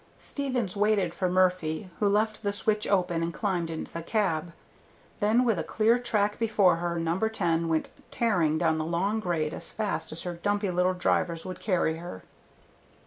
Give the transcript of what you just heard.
Stevens waited for Murphy, who left the switch open and climbed into the cab. Then with a clear track before her No. 10 went tearing down the long grade as fast as her dumpy little drivers would carry her.